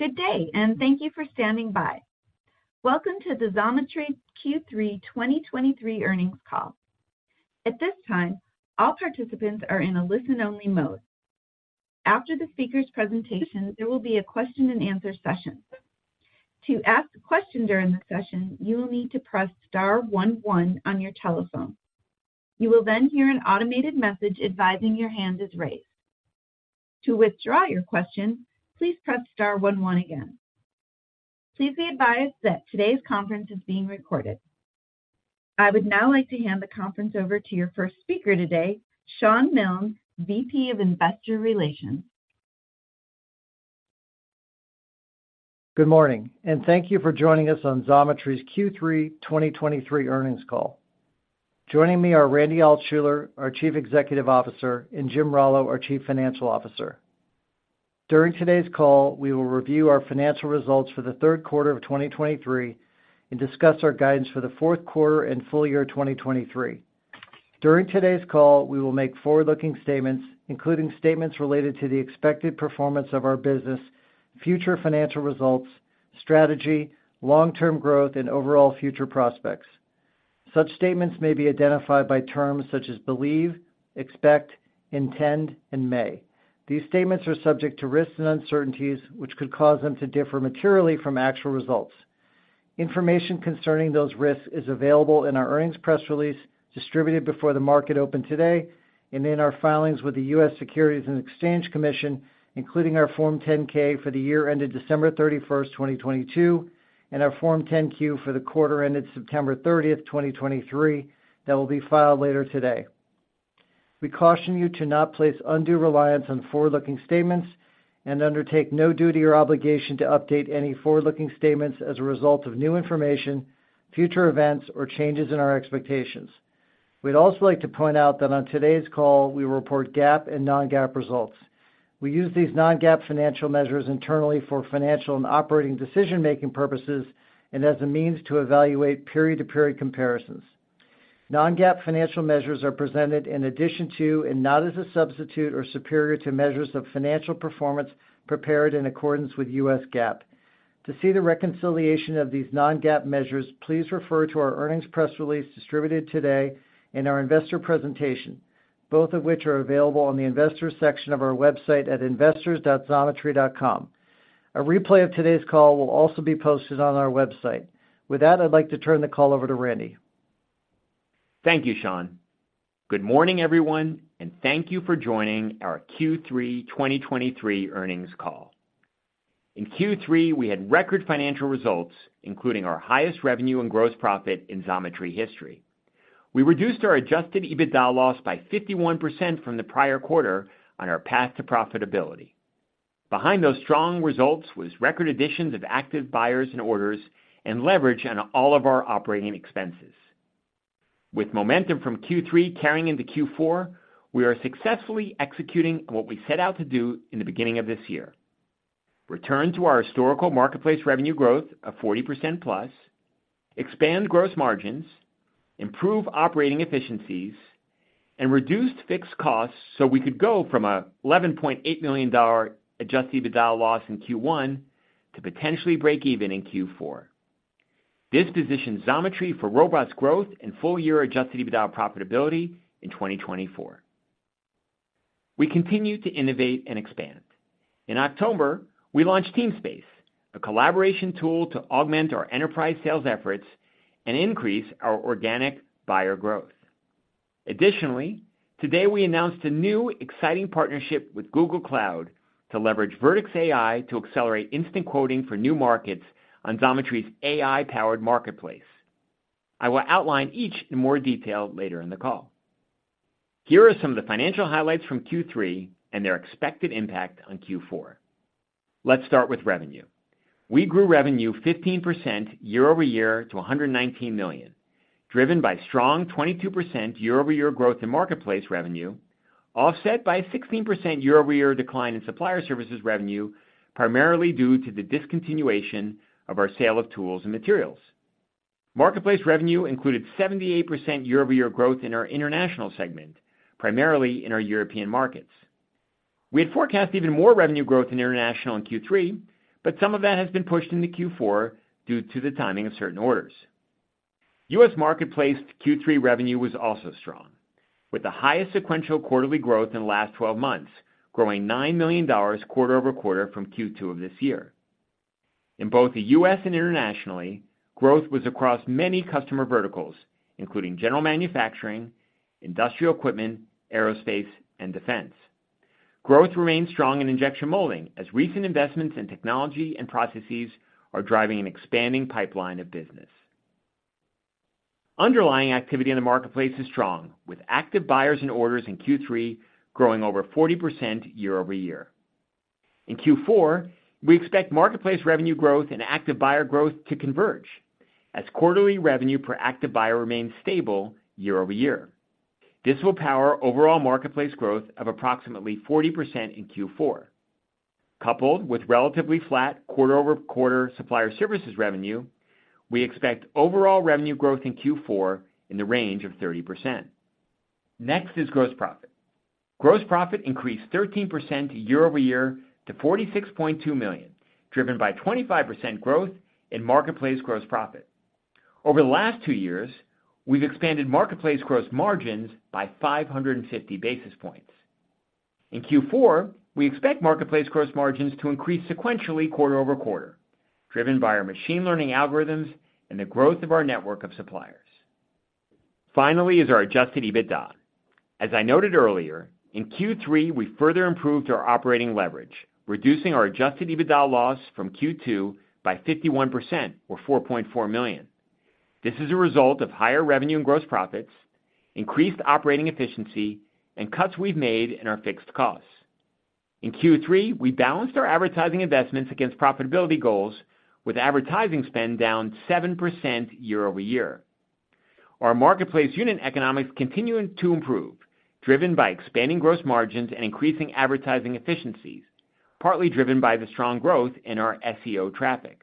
Good day and thank you for standing by. Welcome to the Xometry's Third Quarter 2023 Earnings Call. At this time, all participants are in a listen-only mode. After the speaker's presentation, there will be a question-and-answer session. To ask a question during the session, you will need to press star one, one on your telephone. You will then hear an automated message advising your hand is raised. To withdraw your question, please press star one, one again. Please be advised that today's conference is being recorded. I would now like to hand the conference over to your first speaker today, Shawn Milne, VP of Investor Relations. Good morning and thank you for joining us on Xometry's third quarter 2023 earnings call. Joining me are Randy Altschuler, our Chief Executive Officer, and Jim Rallo, our Chief Financial Officer. During today's call, we will review our financial results for the third quarter of 2023 and discuss our guidance for the fourth quarter and full year 2023. During today's call, we will make forward-looking statements, including statements related to the expected performance of our business, future financial results, strategy, long-term growth, and overall future prospects. Such statements may be identified by terms such as believe, expect, intend, and may. These statements are subject to risks and uncertainties, which could cause them to differ materially from actual results. Information concerning those risks is available in our earnings press release, distributed before the market opened today, and in our filings with the US Securities and Exchange Commission, including our Form 10-K for the year ended 31 December 2022, and our Form 10-Q for the quarter ended 30 September 2023, that will be filed later today. We caution you to not place undue reliance on forward-looking statements and undertake no duty or obligation to update any forward-looking statements as a result of new information, future events, or changes in our expectations. We'd also like to point out that on today's call, we report GAAP and non-GAAP results. We use these non-GAAP financial measures internally for financial and operating decision-making purposes and as a means to evaluate period-to-period comparisons. Non-GAAP financial measures are presented in addition to, and not as a substitute or superior to, measures of financial performance prepared in accordance with US GAAP. To see the reconciliation of these non-GAAP measures, please refer to our earnings press release distributed today and our investor presentation, both of which are available on the investors section of our website at investors.xometry.com. A replay of today's call will also be posted on our website. With that, I'd like to turn the call over to Randy. Thank you, Shawn. Good morning, everyone, and thank you for joining our third quarter 2023 earnings call. In third quarter, we had record financial results, including our highest revenue and gross profit in Xometry history. We reduced our Adjusted EBITDA loss by 51% from the prior quarter on our path to profitability. Behind those strong results was record additions of active buyers and orders and leverage on all of our operating expenses. With momentum from third quarter carrying into fourth quarter, we are successfully executing what we set out to do in the beginning of this year: return to our historical marketplace revenue growth of 40%+, expand gross margins, improve operating efficiencies, and reduce fixed costs so we could go from a $11.8 million Adjusted EBITDA loss in first quarter to potentially break even in fourth quarter. This positions Xometry for robust growth and full-year adjusted EBITDA profitability in 2024. We continue to innovate and expand. In October, we launched Teamspace, a collaboration tool to augment our enterprise sales efforts and increase our organic buyer growth. Additionally, today, we announced a new exciting partnership with Google Cloud to leverage Vertex AI to accelerate instant quoting for new markets on Xometry's AI-powered marketplace. I will outline each in more detail later in the call. Here are some of the financial highlights from third quarter and their expected impact on fourth quarter. Let's start with revenue. We grew revenue 15% year-over-year to $119 million, driven by strong 22% year-over-year growth in marketplace revenue, offset by a 16% year-over-year decline in supplier services revenue, primarily due to the discontinuation of our sale of tools and materials. Marketplace revenue included 78% year-over-year growth in our international segment, primarily in our European markets. We had forecast even more revenue growth in international in third quarter, but some of that has been pushed into fourth quarter due to the timing of certain orders. US marketplace third quarter revenue was also strong, with the highest sequential quarterly growth in the last 12 months, growing $9 million quarter-over-quarter from second quarter of this year. In both the US and internationally, growth was across many customer verticals, including general manufacturing, industrial equipment, aerospace, and defense. Growth remains strong in injection molding, as recent investments in technology and processes are driving an expanding pipeline of business. Underlying activity in the marketplace is strong, with active buyers and orders in third quarter growing over 40% year-over-year. In fourth quarter, we expect marketplace revenue growth and active buyer growth to converge as quarterly revenue per active buyer remains stable year-over-year. This will power overall marketplace growth of approximately 40% in fourth quarter. Coupled with relatively flat quarter-over-quarter supplier services revenue, we expect overall revenue growth in fourth quarter in the range of 30%... next is gross profit. Gross profit increased 13% year-over-year to $46.2 million, driven by 25% growth in marketplace gross profit. Over the last two years, we've expanded marketplace gross margins by 550 basis points. In fourth quarter, we expect marketplace gross margins to increase sequentially quarter-over-quarter, driven by our machine learning algorithms and the growth of our network of suppliers. Finally, is our adjusted EBITDA. As I noted earlier, in third quarter, we further improved our operating leverage, reducing our Adjusted EBITDA loss from second quarter by 51% or $4.4 million. This is a result of higher revenue and gross profits, increased operating efficiency, and cuts we've made in our fixed costs. In third quarter, we balanced our advertising investments against profitability goals, with advertising spend down 7% year-over-year. Our marketplace unit economics continuing to improve, driven by expanding gross margins and increasing advertising efficiencies, partly driven by the strong growth in our SEO traffic.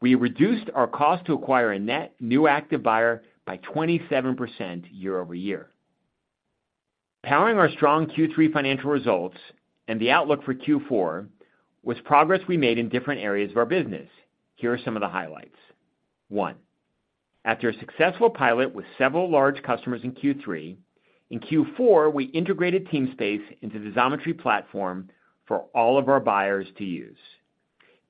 We reduced our cost to acquire a net new active buyer by 27% year-over-year. Powering our strong third quarter financial results and the outlook for fourth quarter, was progress we made in different areas of our business. Here are some of the highlights. One, after a successful pilot with several large customers in third quarter, in fourth quarter, we integrated Teamspace into the Xometry platform for all of our buyers to use.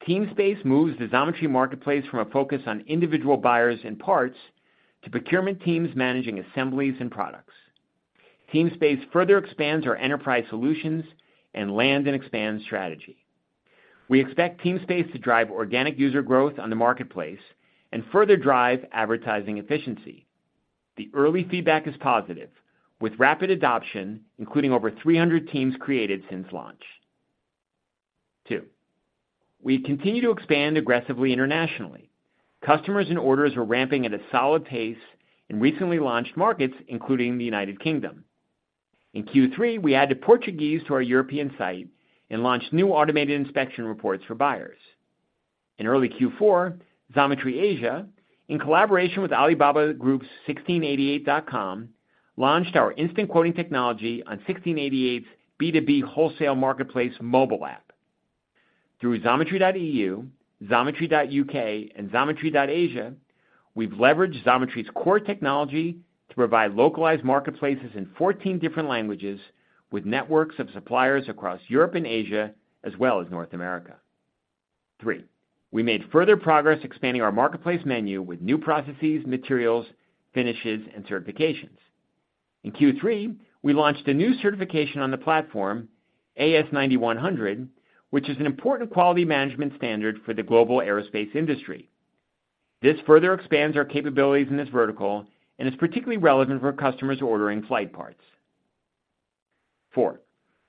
Teamspace moves the Xometry marketplace from a focus on individual buyers and parts, to procurement teams managing assemblies and products. Teamspace further expands our enterprise solutions and land and expand strategy. We expect Teamspace to drive organic user growth on the marketplace and further drive advertising efficiency. The early feedback is positive, with rapid adoption, including over 300 teams created since launch. Two, we continue to expand aggressively internationally. Customers and orders are ramping at a solid pace in recently launched markets, including the United Kingdom. In third quarter, we added Portuguese to our European site and launched new automated inspection reports for buyers. In early fourth quarter, Xometry Asia, in collaboration with Alibaba Group's 1688.com, launched our instant quoting technology on 1688's B2B wholesale marketplace mobile app. Through xometry.eu, xometry.uk, and xometry.asia, we've leveraged Xometry's core technology to provide localized marketplaces in 14 different languages, with networks of suppliers across Europe and Asia, as well as North America. Three, we made further progress expanding our marketplace menu with new processes, materials, finishes, and certifications. In third quarter, we launched a new certification on the platform, AS9100, which is an important quality management standard for the global aerospace industry. This further expands our capabilities in this vertical and is particularly relevant for customers ordering flight parts. Four,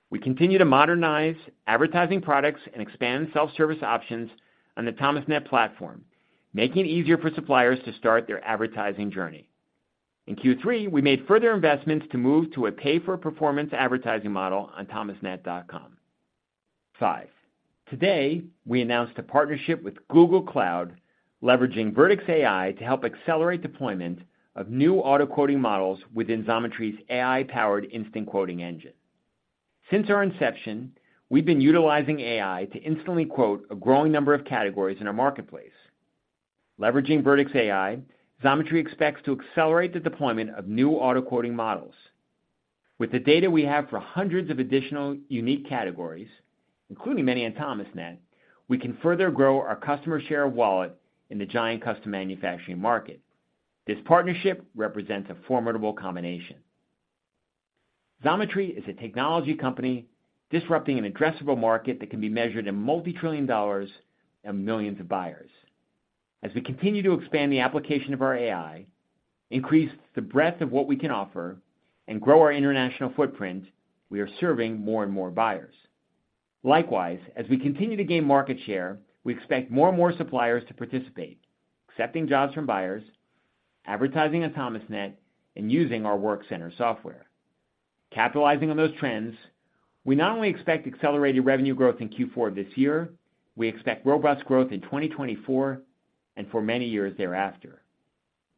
we continue to modernize advertising products and expand self-service options on the Thomasnet platform, making it easier for suppliers to start their advertising journey. In third quarter, we made further investments to move to a pay-for-performance advertising model on Thomasnet.com. Five, today, we announced a partnership with Google Cloud, leveraging Vertex AI to help accelerate deployment of new auto quoting models within Xometry's AI-powered instant quoting engine. Since our inception, we've been utilizing AI to instantly quote a growing number of categories in our marketplace. Leveraging Vertex AI, Xometry expects to accelerate the deployment of new auto quoting models. With the data we have for hundreds of additional unique categories, including many in Thomasnet, we can further grow our customer share of wallet in the giant custom manufacturing market. This partnership represents a formidable combination. Xometry is a technology company disrupting an addressable market that can be measured in multi-trillion dollars and millions of buyers. As we continue to expand the application of our AI, increase the breadth of what we can offer, and grow our international footprint, we are serving more and more buyers. Likewise, as we continue to gain market share, we expect more and more suppliers to participate, accepting jobs from buyers, advertising on Thomasnet, and using our Workcenter software. Capitalizing on those trends, we not only expect accelerated revenue growth in fourth quarter of this year, we expect robust growth in 2024 and for many years thereafter.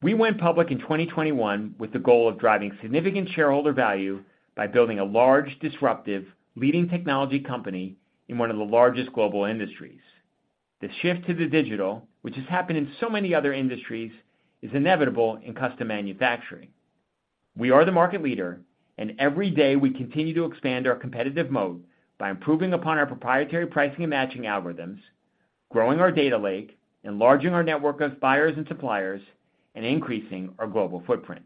We went public in 2021 with the goal of driving significant shareholder value by building a large, disruptive, leading technology company in one of the largest global industries. The shift to the digital, which has happened in so many other industries, is inevitable in custom manufacturing. We are the market leader, and every day we continue to expand our competitive moat by improving upon our proprietary pricing and matching algorithms, growing our data lake, enlarging our network of buyers and suppliers, and increasing our global footprint.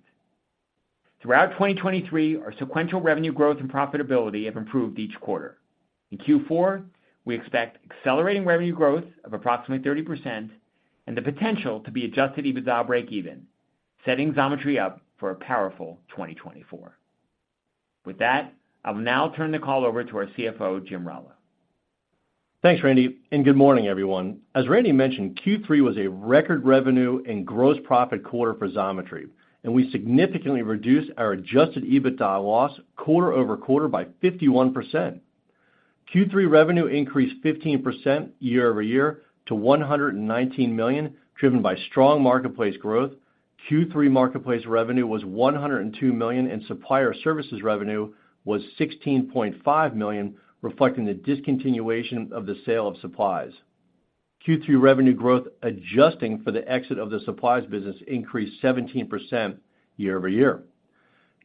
Throughout 2023, our sequential revenue growth and profitability have improved each quarter. In fourth quarter, we expect accelerating revenue growth of approximately 30% and the potential to be Adjusted EBITDA breakeven, setting Xometry up for a powerful 2024. With that, I'll now turn the call over to our CFO, Jim Rallo. Thanks, Randy, and good morning, everyone. As Randy mentioned, third quarter was a record revenue and gross profit quarter for Xometry, and we significantly reduced our adjusted EBITDA loss quarter over quarter 51%. Third quarter revenue increased 15% year-over-year to $119 million, driven by strong growth. Third quarter marketplace revenue was $102 million, and supplier services revenue was $16.5 million, reflecting the discontinuation of the sale of supplies. Third quarter revenue growth, adjusting for the exit of the supplies business, increased year-over-year.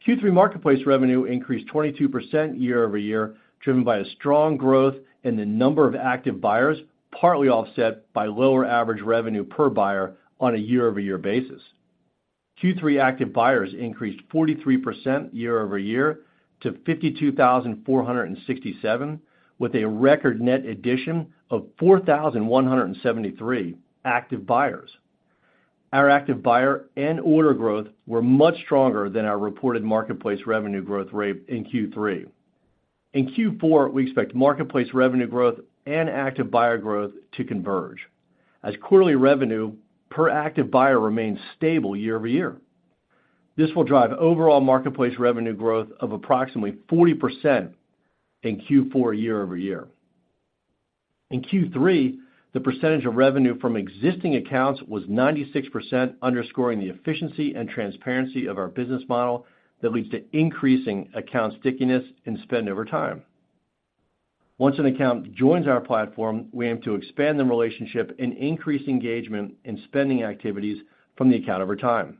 Third quarter marketplace revenue increased 22% year-over-year, driven by a strong growth in the number of active buyers, partly offset by lower average revenue per buyer on a basis. Third quarter active buyers increased 43% year-over-year to 52,467, with a record net addition of 4,173 active buyers. Our active buyer and order growth were much stronger than our reported marketplace revenue growth rate in third quarter. In fourth quarter, we expect marketplace revenue growth and active buyer growth to converge as quarterly revenue per active buyer remains stable year-over-year. This will drive overall marketplace revenue growth of approximately 40% in fourth quarter, year-over-year. In third quarter, the percentage of revenue from existing accounts was 96%, underscoring the efficiency and transparency of our business model that leads to increasing account stickiness and spend over time. Once an account joins our platform, we aim to expand the relationship and increase engagement in spending activities from the account over time.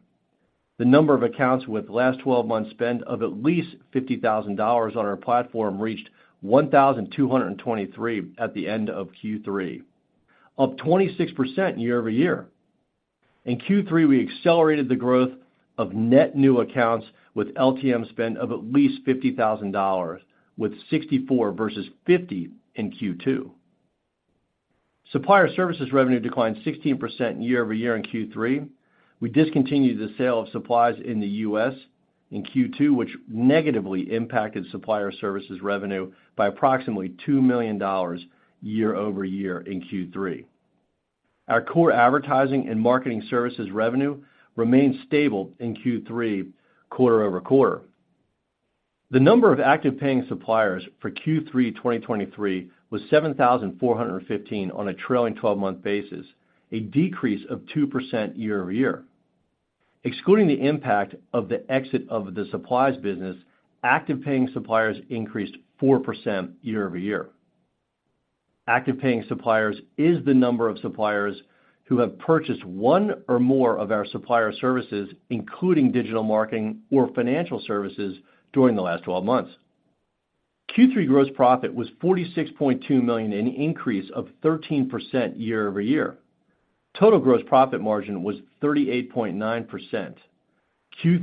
The number of accounts with last twelve months spend of at least $50,000 on our platform reached 1,223 at the end of third quarter, up 26% year-over-year. In third quarter, we accelerated the growth of net new accounts with LTM spend of at least $50,000, with 64 versus 50 in second quarter. Supplier services revenue declined 16% year-over-year in third quarter. We discontinued the sale of supplies in the US in second quarter, which negatively impacted supplier services revenue by approximately $2 million year-over-year in third quarter. Our core advertising and marketing services revenue remained stable in third quarter, quarter-over-quarter. The number of active paying suppliers for third quarter 2023 was 7,415 on a trailing 12-month basis, a decrease of 2% year-over-year. Excluding the impact of the exit of the supplies business, active paying suppliers increased 4% year-over-year. Active paying suppliers is the number of suppliers who have purchased one or more of our supplier services, including digital marketing or financial services, during the last twelve months. third quarter gross profit was $46.2 million, an increase of 13% year-over-year. Total gross profit margin 38.9%. Third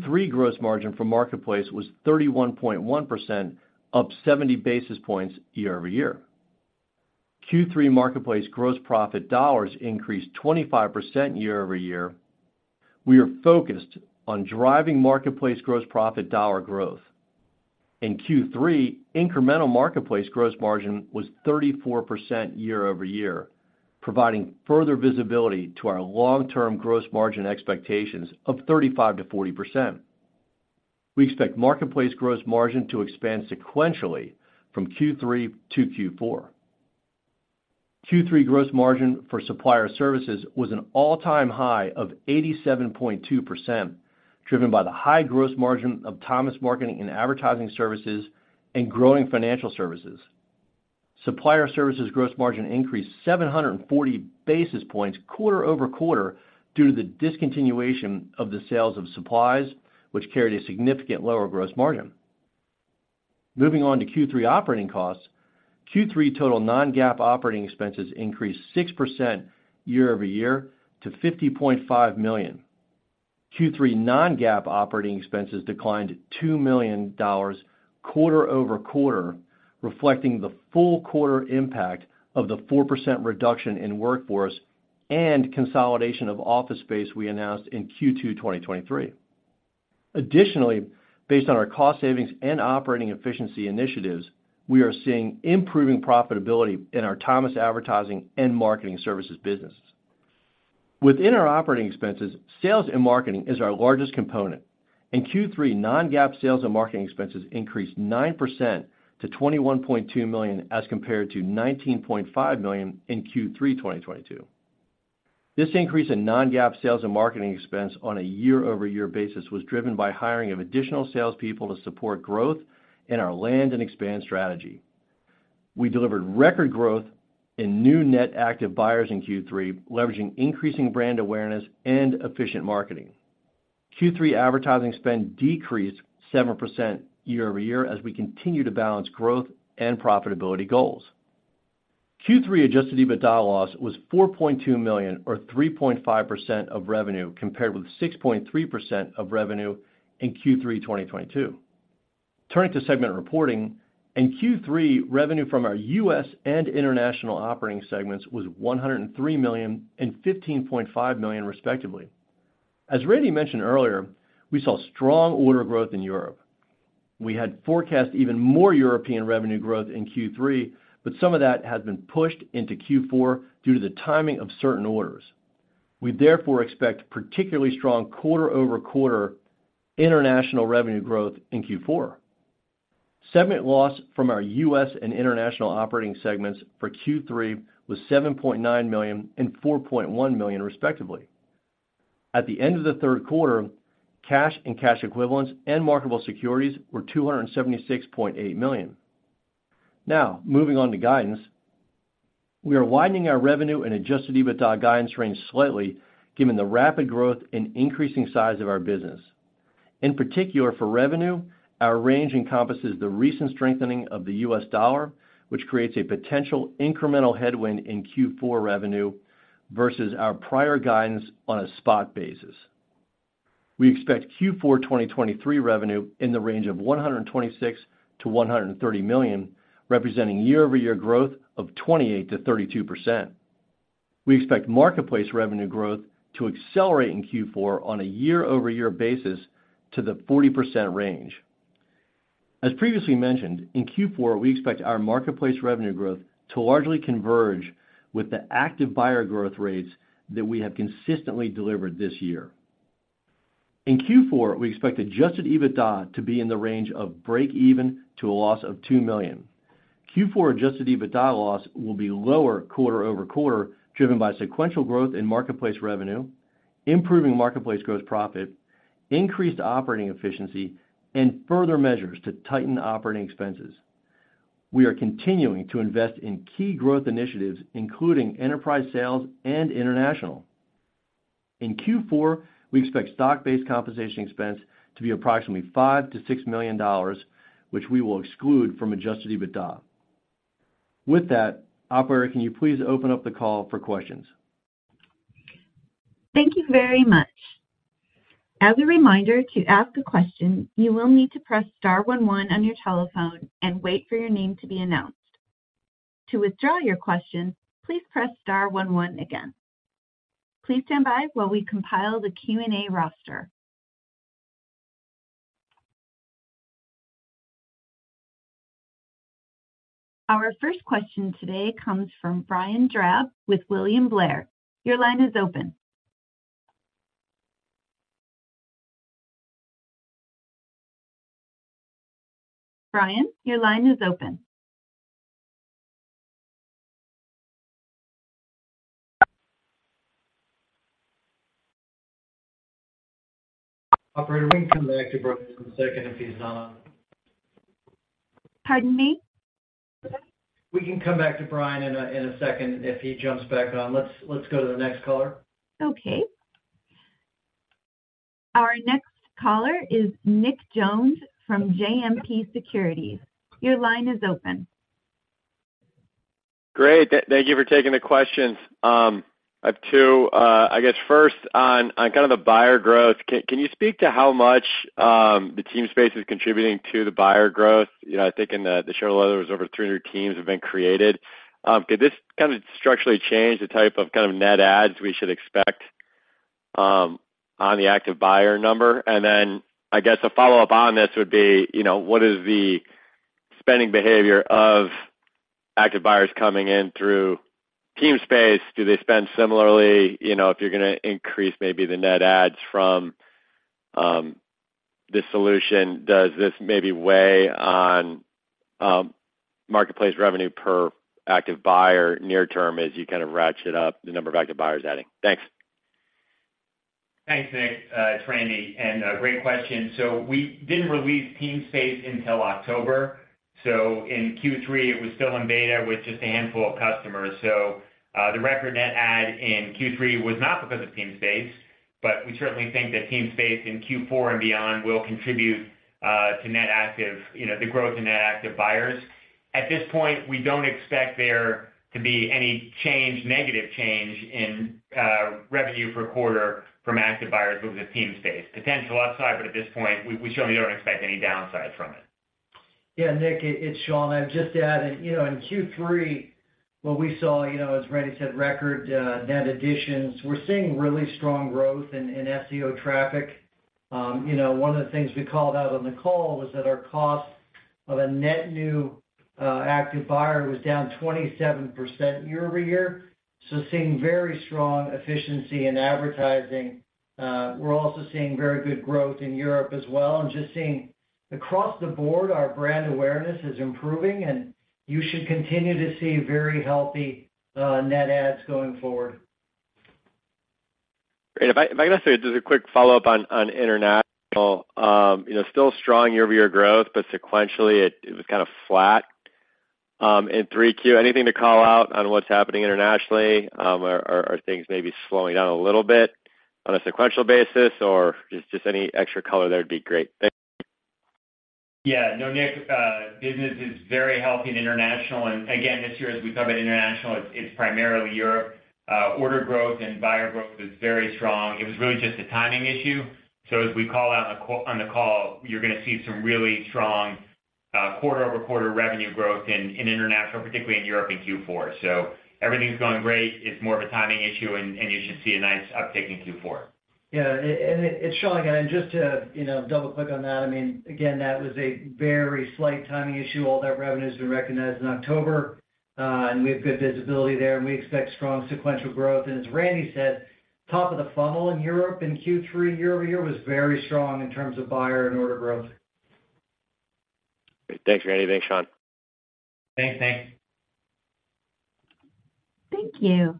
quarter gross margin from marketplace was 31.1%, up 70 basis points year-over-year. Third quarter marketplace gross profit dollars increased 25% year-over-year. We are focused on driving marketplace gross profit dollar growth. In third quarter, incremental marketplace gross margin was 34% year-over-year, providing further visibility to our long-term gross margin expectations of 35% to 40%. We expect marketplace gross margin to expand sequentially from third quarter to fourth quarter. Third quarter gross margin for supplier services was an all-time high of 87.2%, driven by the high gross margin of Thomas Marketing and Advertising Services and growing financial services. Supplier services gross margin increased 740 basis points quarter-over-quarter due to the discontinuation of the sales of supplies, which carried a significant lower gross margin. Moving on to third quarter costs. Third quarter total non-GAAP operating expenses increased 6% year-over-year to $50.5 million. Third quarter non-GAAP operating expenses declined $2 million quarter-over-quarter, reflecting the full quarter impact of the 4% reduction in workforce and consolidation of office space we announced in second quarter 2023. Additionally, based on our cost savings and operating efficiency initiatives, we are seeing improving profitability in our Thomas Advertising and Marketing Services businesses. Within our operating expenses, sales and marketing is our largest component. In third quarter, non-GAAP sales and marketing expenses increased 9% to $21.2 million, as compared to $19.5 million in third quarter 2022. This increase in non-GAAP sales and marketing expense on a year-over-year basis was driven by hiring of additional salespeople to support growth in our Land and Expand strategy. We delivered record growth in new net active buyers in third quarter, leveraging increasing brand awareness and marketing. Third quarter advertising spend decreased 7% year-over-year as we continue to balance growth and goals. Third quarter adjusted EBITDA loss was $4.2 million or 3.5% of revenue, compared with 6.3% of revenue in third quarter 2022. Turning to segment reporting. In third quarter, revenue from our US and international operating segments was $103 million and $15.5 million, respectively. As Randy mentioned earlier, we saw strong order growth in Europe. We had forecast even more European revenue growth in third quarter, but some of that has been pushed into fourth quarter due to the timing of certain orders... we therefore expect particularly strong quarter-over-quarter international revenue growth in fourth quarter. Segment loss from our US and international operating segments for third quarter was $7.9 million and $4.1 million, respectively. At the end of the third quarter, cash and cash equivalents and marketable securities were $276.8 million. Now, moving on to guidance. We are widening our revenue and Adjusted EBITDA guidance range slightly, given the rapid growth and increasing size of our business. In particular, for revenue, our range encompasses the recent strengthening of the US dollar, which creates a potential incremental headwind in fourth quarter revenue versus our prior guidance on a spot basis. We expect fourth quarter 2023 revenue in the range of $126 to 130 million, representing year-over-year growth of 28% to 32%. We expect marketplace revenue growth to accelerate in fourth quarter on a year-over-year basis to the 40% range. As previously mentioned, in fourth quarter, we expect our marketplace revenue growth to largely converge with the active buyer growth rates that we have consistently delivered this year. In fourth quarter, we expect adjusted EBITDA to be in the range of breakeven to a loss of $2 million. Fourth quarter adjusted EBITDA loss will be lower quarter over-quarter, driven by sequential growth in marketplace revenue, improving marketplace gross profit, increased operating efficiency, and further measures to tighten operating expenses. We are continuing to invest in key growth initiatives, including enterprise sales and international. In fourth quarter, we expect Stock-Based Compensation expense to be approximately $5 to 6 million, which we will exclude from Adjusted EBITDA. With that, operator, can you please open up the call for questions? Thank you very much. As a reminder, to ask a question, you will need to press star one, one on your telephone and wait for your name to be announced. To withdraw your question, please press star one, one again. Please stand by while we compile the Q&A roster. Our first question today comes from Brian Drab with William Blair. Your line is open. Brian, your line is open. Operator, we can come back to Brian for a second if he's on. Pardon me? We can come back to Brian in a second if he jumps back on. Let's go to the next caller. Okay. Our next caller is Nick Jones from JMP Securities. Your line is open. Great, thank you for taking the questions. I have two. I guess first on kind of the buyer growth, can you speak to how much the Teamspace is contributing to the buyer growth? You know, I think in the shareholder, there was over 300 teams have been created. Could this kind of structurally change the type of kind of net adds we should expect on the active buyer number? And then I guess a follow-up on this would be, you know, what is the spending behavior of active buyers coming in through Teamspace? Do they spend similarly, you know, if you're gonna increase maybe the net adds from this solution, does this maybe weigh on marketplace revenue per active buyer near term as you kind of ratchet up the number of active buyers adding? Thanks. Thanks, Nick. It's Randy, and great question. So, we didn't release Teamspace until October. So, in third quarter, it was still in beta with just a handful of customers. So, the record net add in third quarter was not because of Teamspace, but we certainly think that Teamspace in fourth quarter and beyond will contribute to net active, you know, the growth in net active buyers. At this point, we don't expect there to be any change, negative change in revenue per quarter from active buyers with the Teamspace. Potential upside, but at this point, we certainly don't expect any downside from it. Yeah, Nick, it's Shawn. I'd just add, you know, in third quarter, what we saw, you know, as Randy said, record net additions. We're seeing really strong growth in SEO traffic. You know, one of the things we called out on the call was that our cost of a net new active buyer was down 27% year-over-year. So, seeing very strong efficiency in advertising. We're also seeing very good growth in Europe as well, and just seeing across the board, our brand awareness is improving, and you should continue to see very healthy net adds going forward. Great. If I can ask just a quick follow-up on international. You know, still strong year-over-year growth, but sequentially it was kind of flat in third quarter. Anything to call out on what's happening internationally. Are things may be slowing down a little bit on a sequential basis, or just any extra color there would be great. Thanks. Yeah. No, Nick, business is very healthy in international, and again, this year, as we talk about international, it's primarily Europe. Order growth and buyer growth is very strong. It was really just a timing issue. So, as we call out on the call, on the call, you're gonna see some really strong quarter-over-quarter revenue growth in international, particularly in Europe, in fourth quarter. So, everything's going great. It's more of a timing issue, and you should see a nice uptick in fourth quarter. Yeah, and it's Shawn again, and just to, you know, double click on that, I mean, again, that was a very slight timing issue. All that revenue has been recognized in October, and we have good visibility there, and we expect strong sequential growth. As Randy said, top of the funnel in Europe in third quarter, year-over-year, was very strong in terms of buyer and order growth. Thanks, Randy. Thanks, Shawn. Thanks, Nick. Thank you.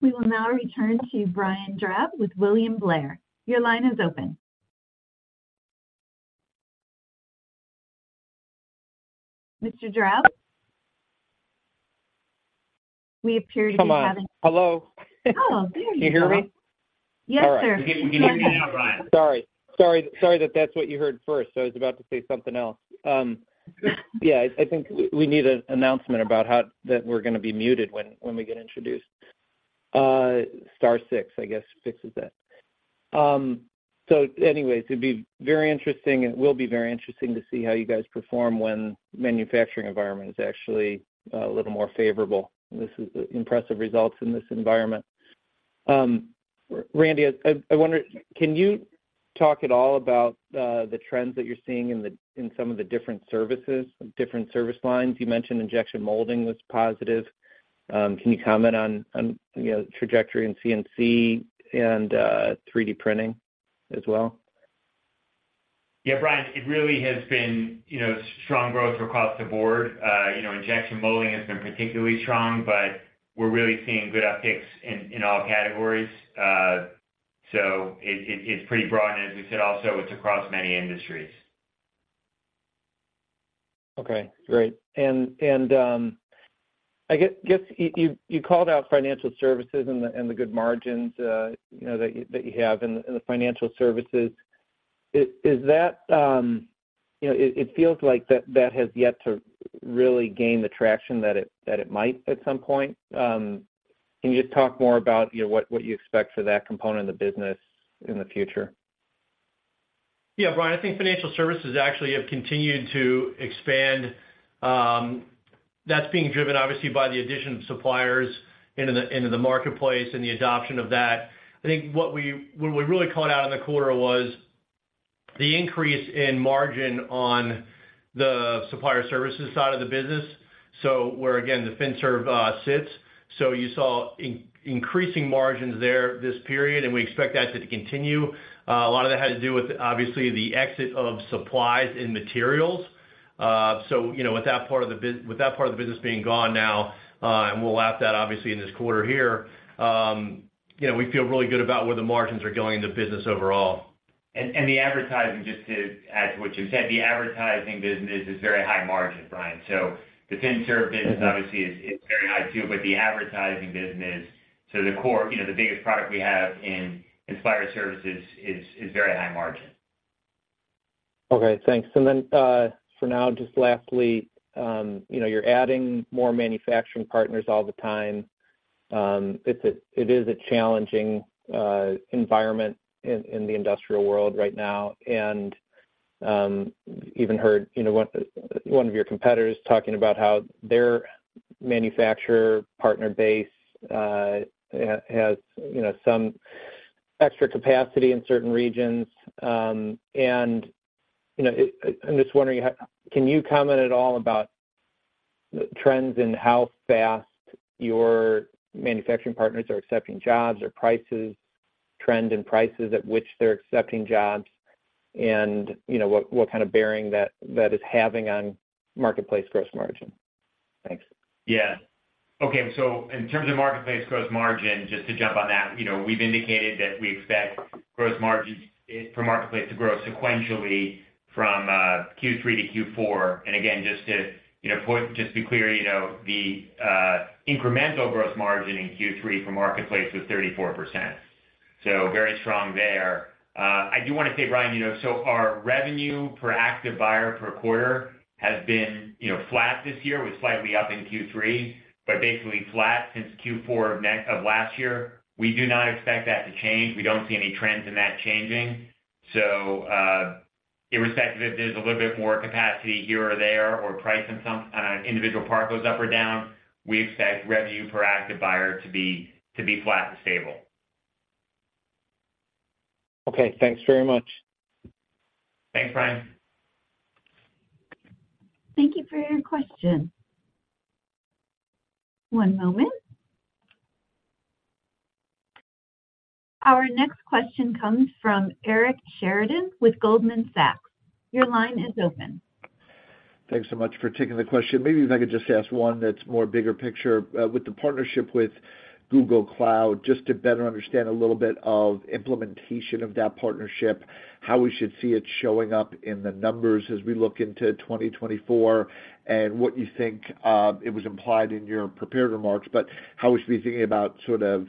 We will now return to Brian Drab with William Blair. Your line is open. Mr. Drab? We appear to be having... Come on. Hello? Oh, there you are. Can you hear me? Yes, sir. We can hear you now, Brian. Sorry, sorry, sorry that's what you heard first. I was about to say something else. Yeah, I think we need an announcement about how that we're gonna be muted when we get introduced. Star six, I guess, fixes that. So anyways, it'd be very interesting and will be very interesting to see how you guys perform when manufacturing environment is actually a little more favorable. This is impressive results in this environment. Randy, I wonder, can you talk at all about the trends that you're seeing in some of the different services, different service lines? You mentioned injection molding was positive. Can you comment on, you know, trajectory and CNC and 3D printing as well? Yeah, Brian, it really has been, you know, strong growth across the board. You know, injection molding has been particularly strong, but we're really seeing good upticks in all categories. So it's pretty broad, and as we said, also, it's across many industries. Okay, great. And I guess you called out financial services and the good margins, you know, that you have in the financial services. Is that, you know, it feels like that has yet to really gain the traction that it might at some point. Can you just talk more about, you know, what you expect for that component of the business in the future? Yeah, Brian, I think financial services actually have continued to expand. That's being driven obviously by the addition of suppliers into the, into the marketplace and the adoption of that. I think what we, what we really called out in the quarter was the increase in margin on the supplier services side of the business, so where, again, the fin serve sits. So you saw increasing margins there this period, and we expect that to continue. A lot of that had to do with, obviously, the exit of supplies and materials. So, you know, with that part of the business being gone now, and we'll lap that obviously in this quarter here, you know, we feel really good about where the margins are going in the business overall. And the advertising, just to add to what you said, the advertising business is very high margin, Brian. So the fin serve business obviously is very high, too, but the advertising business, so the core, you know, the biggest product we have in supplier services is very high margin. Okay, thanks. And then, for now, just lastly, you know, you're adding more manufacturing partners all the time. It is a challenging environment in the industrial world right now. And even heard, you know, one of your competitors talking about how their manufacturer partner base has, you know, some extra capacity in certain regions. And, you know, it... I'm just wondering, how can you comment at all about trends in how fast your manufacturing partners are accepting jobs or prices, trend in prices at which they're accepting jobs, and, you know, what kind of bearing that is having on Marketplace Gross Margin? Thanks. Yeah. Okay, so in terms of Marketplace gross margin, just to jump on that, you know, we've indicated that we expect gross margins for Marketplace to grow sequentially from third quarter to fourth quarter. And again, just to, you know, put, just to be clear, you know, the incremental gross margin in third quarter for Marketplace was 34%, so very strong there. I do want to say, Brian, you know, so our revenue per Active Buyer per quarter has been, you know, flat this year. Was slightly up in third quarter, but basically flat since fourth quarter of last year. We do not expect that to change. We don't see any trends in that changing. So, irrespective if there's a little bit more capacity here or there, or price on an individual part goes up or down, we expect revenue per Active Buyer to be flat to stable. Okay, thanks very much. Thanks, Brian. Thank you for your question. One moment. Our next question comes from Eric Sheridan with Goldman Sachs. Your line is open. Thanks so much for taking the question. Maybe if I could just ask one that's more bigger picture. With the partnership with Google Cloud, just to better understand a little bit of implementation of that partnership, how we should see it showing up in the numbers as we look into 2024, and what you think, it was implied in your prepared remarks, but how we should be thinking about sort of,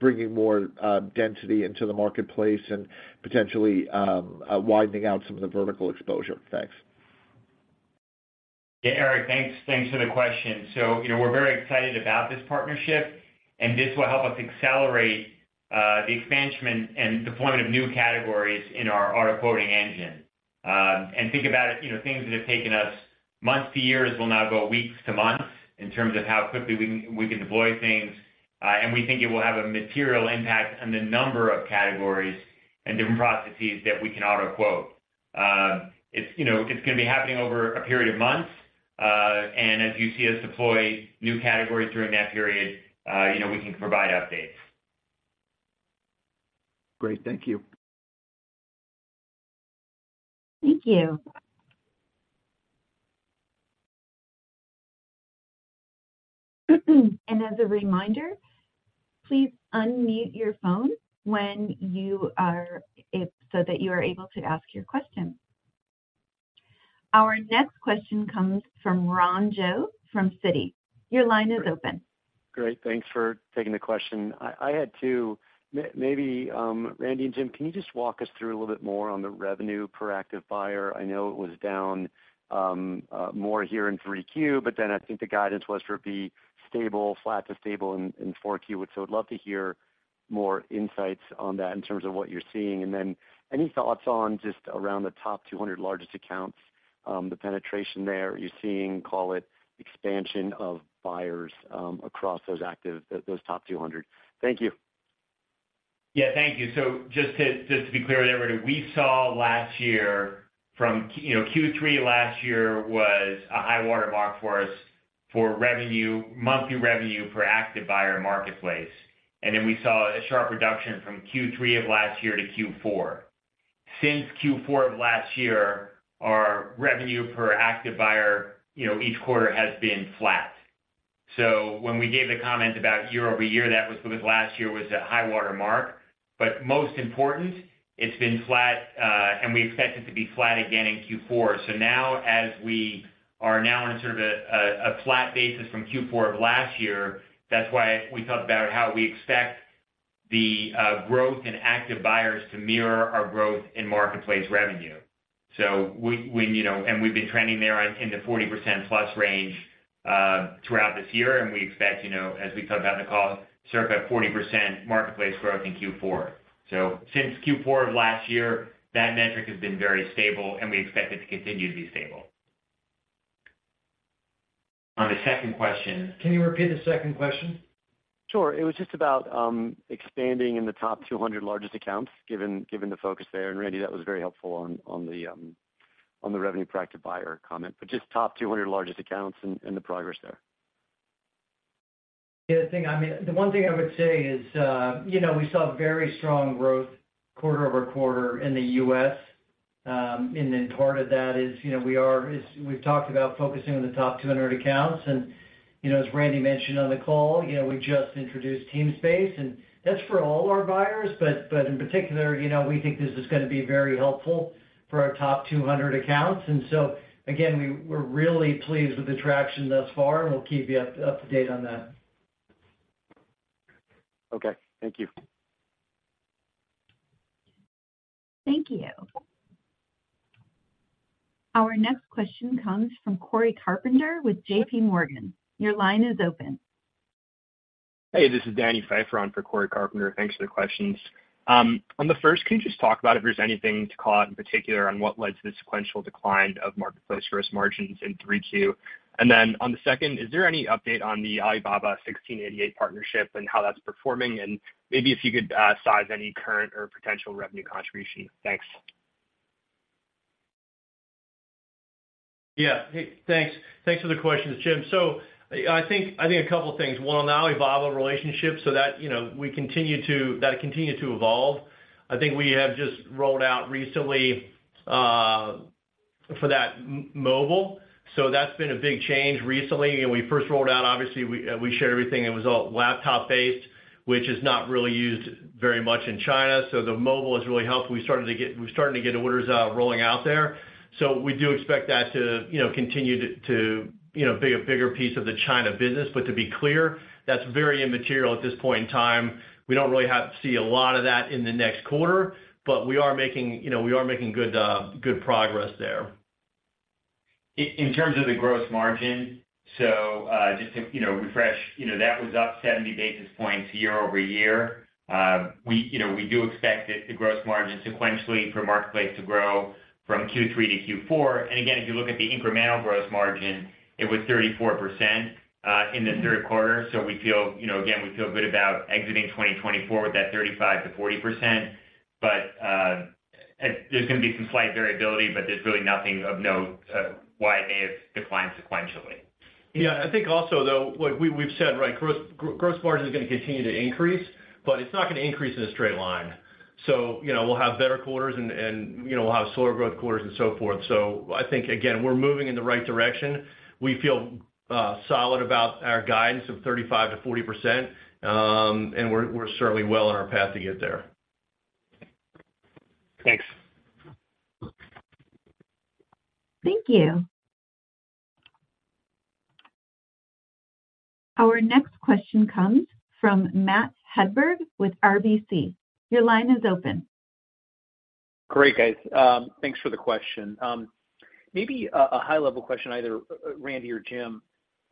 bringing more, density into the marketplace and potentially, widening out some of the vertical exposure. Thanks. Yeah, Eric, thanks. Thanks for the question. So, you know, we're very excited about this partnership, and this will help us accelerate the expansion and deployment of new categories in our auto quoting engine. And think about it, you know, things that have taken us months to years will now go weeks to months in terms of how quickly we can deploy things. And we think it will have a material impact on the number of categories and different processes that we can auto quote. It's, you know, it's gonna be happening over a period of months. And as you see us deploy new categories during that period, you know, we can provide updates. Great. Thank you. Thank you. As a reminder, please unmute your phone if so that you are able to ask your question. Our next question comes from Ron Josey from Citi. Your line is open. Great. Thanks for taking the question. Maybe, Randy and Jim, can you just walk us through a little bit more on the revenue per active buyer? I know it was down more here in third quarter, but then I think the guidance was for it to be stable, flat to stable in fourth quarter. So, I'd love to hear more insights on that in terms of what you're seeing. And then any thoughts on just around the top 200 largest accounts, the penetration there? Are you seeing, call it expansion of buyers, across those active, those top 200? Thank you. Yeah, thank you. So just to, just to be clear, everybody, we saw last year, you know, third quarter last year was a high watermark for us for revenue, monthly revenue per active buyer marketplace. And then we saw a sharp reduction from third quarter of last year to fourth quarter. Since fourth quarter of last year, our revenue per active buyer, you know, each quarter has been flat. So, when we gave the comment about year-over-year, that was because last year was a high watermark, but most important, it's been flat, and we expect it to be flat again in fourth quarter. So now, as we are now in a sort of a flat basis from fourth quarter of last year, that's why we thought about how we expect the growth in active buyers to mirror our growth in marketplace revenue. So, we, you know, and we've been trending there on, in the 40%+ range throughout this year, and we expect, you know, as we talked about in the call, sort of a 40% marketplace growth in fourth quarter. So since fourth quarter of last year, that metric has been very stable, and we expect it to continue to be stable. On the second question... Can you repeat the second question? Sure. It was just about expanding in the top 200 largest accounts, given the focus there. And Randy, that was very helpful on the revenue per active buyer comment, but just top 200 largest accounts and the progress there. Yeah, I think, I mean, the one thing I would say is, you know, we saw very strong growth quarter-over-quarter in the US And then part of that is, you know, we are, is we've talked about focusing on the top 200 accounts. And, you know, as Randy mentioned on the call, you know, we just introduced Teamspace, and that's for all our buyers, but, but in particular, you know, we think this is gonna be very helpful for our top 200 accounts. And so again, we're really pleased with the traction thus far, and we'll keep you up to date on that. Okay, thank you. Thank you. Our next question comes from Corey Carpenter with JP Morgan. Your line is open. Hey, this is Danny Pfeiffer on for Corey Carpenter. Thanks for the questions. On the first, can you just talk about if there's anything to call out in particular on what led to the sequential decline of marketplace gross margins in third quarter? And then on the second, is there any update on the Alibaba 1688 partnership and how that's performing? And maybe if you could, size any current or potential revenue contribution. Thanks. Yeah. Hey, thanks. Thanks for the questions, Jim. So, I think a couple of things. One, on the Alibaba relationship, so that continued to evolve. I think we have just rolled out recently for that mobile. So that's been a big change recently. And we first rolled out, obviously, we shared everything, it was all laptop-based, which is not really used very much in China. So, the mobile has really helped. We started to get- we're starting to get orders rolling out there. So, we do expect that to, you know, continue to, to, you know, be a bigger piece of the China business. But to be clear, that's very immaterial at this point in time. We don't really have to see a lot of that in the next quarter, but we are making, you know, we are making good progress there. In terms of the gross margin, so just to, you know, refresh, you know, that was up 70 basis points year-over-year. We, you know, we do expect that the gross margin sequentially for marketplace to grow from third quarter to fourth quarter. And again, if you look at the incremental gross margin, it was 34% in the third quarter. So, we feel, you know, again, we feel good about exiting 2024 with that 35% to 40%. But there's gonna be some slight variability, but there's really nothing of note why it may have declined sequentially. Yeah. I think also, though, what we've said, right, growth, growth margin is gonna continue to increase, but it's not gonna increase in a straight line. So, you know, we'll have better quarters and, you know, we'll have slower growth quarters and so forth. So I think, again, we're moving in the right direction. We feel solid about our guidance of 35% to 40%, and we're certainly well on our path to get there. Thanks. Thank you. Our next question comes from Matt Hedberg with RBC. Your line is open. Great, guys. Thanks for the question. Maybe a high-level question, either Randy or Jim.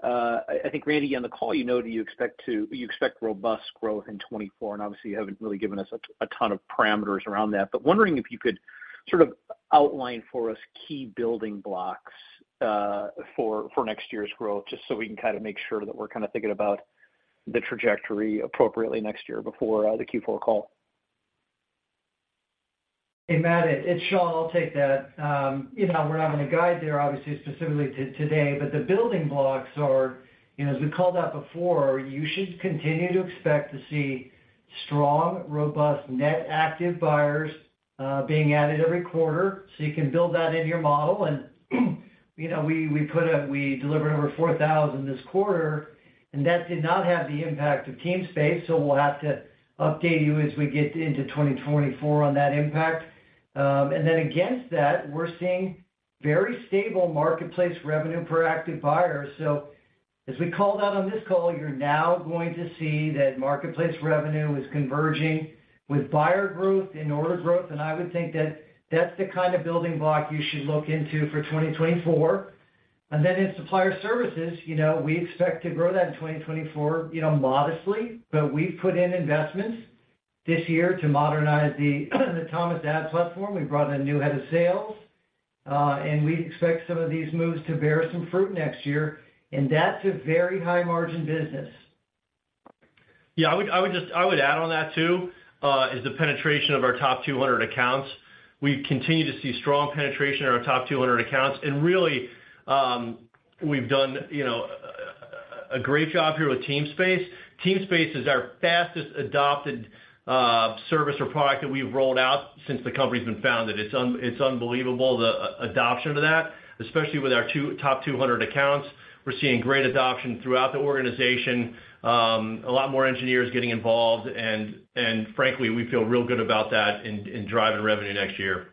I think, Randy, on the call, you noted you expect to you expect robust growth in 2024, and obviously, you haven't really given us a ton of parameters around that. But wondering if you could sort of outline for us key building blocks for next year's growth, just so we can kind of make sure that we're kind of thinking about the trajectory appropriately next year before the fourth quarter call. Hey, Matt, it's Shawn. I'll take that. You know, we're not going to guide there, obviously, specifically to today, but the building blocks are, you know, as we called out before, you should continue to expect to see strong, robust net active buyers being added every quarter. So, you can build that into your model. And, you know, we delivered over 4,000 this quarter, and that did not have the impact of Teamspace, so we'll have to update you as we get into 2024 on that impact. And then against that, we're seeing very stable marketplace revenue per active buyer. So, as we called out on this call, you're now going to see that marketplace revenue is converging with buyer growth and order growth. I would think that that's the kind of building block you should look into for 2024. Then in supplier services, you know, we expect to grow that in 2024, you know, modestly, but we've put in investments this year to modernize the Thomasnet platform. We brought in a new head of sales, and we expect some of these moves to bear some fruit next year, and that's a very high-margin business. Yeah, I would just add on that, too, is the penetration of our top 200 accounts. We continue to see strong penetration in our top 200 accounts, and really, we've done, you know, a great job here with Teamspace. Teamspace is our fastest adopted service or product that we've rolled out since the company's been founded. It's unbelievable, the adoption to that, especially with our top 200 accounts. We're seeing great adoption throughout the organization, a lot more engineers getting involved, and frankly, we feel real good about that in driving revenue next year.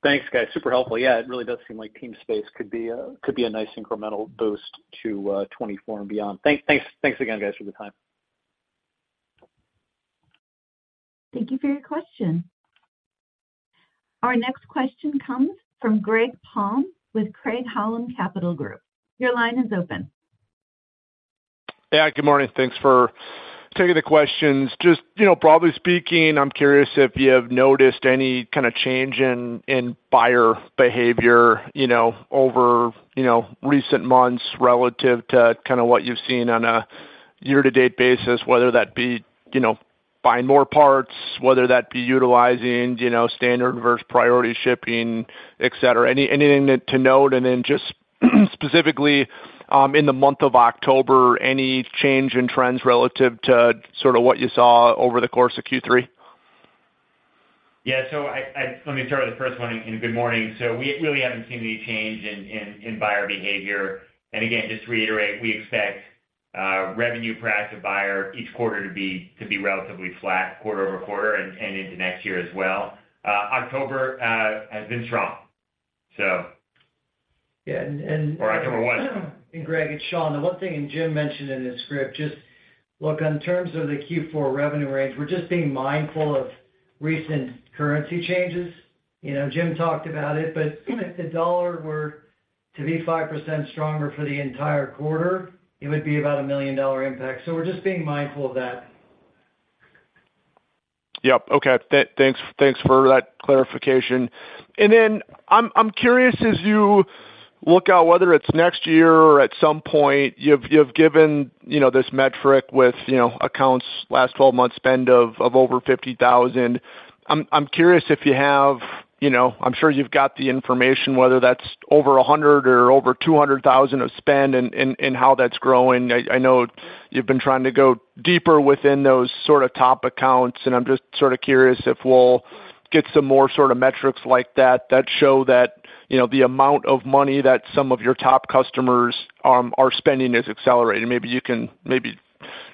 Thanks, guys. Super helpful. Yeah, it really does seem like Teamspace could be a, could be a nice incremental boost to 2024 and beyond. Thanks, thanks again, guys, for the time. Thank you for your question. Our next question comes from Greg Palm with Craig-Hallum Capital Group. Your line is open. Yeah, good morning. Thanks for taking the questions. Just, you know, broadly speaking, I'm curious if you have noticed any kind of change in buyer behavior, you know, over, you know, recent months relative to kind of what you've seen on a year-to-date basis, whether that be, you know, buying more parts, whether that be utilizing, you know, standard versus priority shipping, et cetera. Anything to note? And then just, specifically, in the month of October, any change in trends relative to sort of what you saw over the course of third quarter? Yeah, so let me start with the first one, and good morning. So, we really haven't seen any change in buyer behavior. And again, just to reiterate, we expect revenue per active buyer each quarter to be relatively flat quarter over quarter and into next year as well. October has been strong. So... Yeah, and... Or 1 October 2023. Greg, it's Shawn. The one thing, and Jim mentioned in his script, just look, in terms of the fourth quarter revenue range, we're just being mindful of recent currency changes. You know, Jim talked about it, but if the US dollar were to be 5% stronger for the entire quarter, it would be about a $1 million impact. So we're just being mindful of that. Yep. Okay. Thanks, thanks for that clarification. And then I'm curious, as you look out, whether it's next year or at some point, you've given, you know, this metric with, you know, accounts last twelve months spend of over $50,000. I'm curious if you have... you know, I'm sure you've got the information, whether that's over $100 or over $200,000 of spend and how that's growing. I know you've been trying to go deeper within those sorts of top accounts, and I'm just sort of curious if we'll get some more sort of metrics like that, that show that, you know, the amount of money that some of your top customers are spending is accelerating. Maybe you can maybe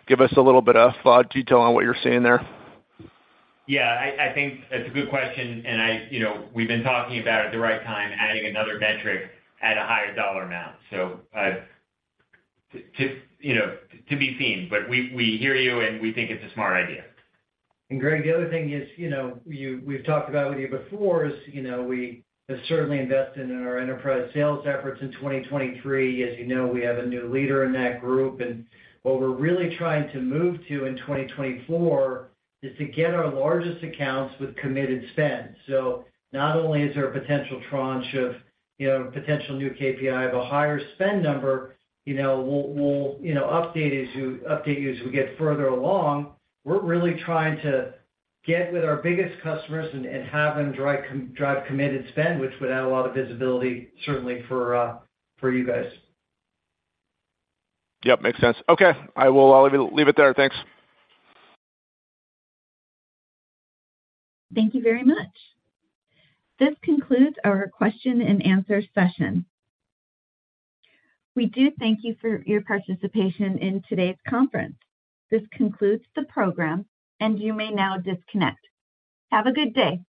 give us a little bit of detail on what you're seeing there. Yeah, I think that's a good question, and I, you know, we've been talking about, at the right time, adding another metric at a higher dollar amount. So, to you know, to be seen, but we, we hear you, and we think it's a smart idea. Greg, the other thing is, you know, we've talked about with you before is, you know, we have certainly invested in our enterprise sales efforts in 2023. As you know, we have a new leader in that group, and what we're really trying to move to in 2024 is to get our largest accounts with committed spend. So not only is there a potential tranche of, you know, potential new KPI of a higher spend number, you know, we'll update you as we get further along. We're really trying to get with our biggest customers and have them drive committed spend, which would add a lot of visibility certainly for you guys. Yep, makes sense. Okay, I will leave it there. Thanks. Thank you very much. This concludes our question and answer session. We do thank you for your participation in today's conference. This concludes the program, and you may now disconnect. Have a good day.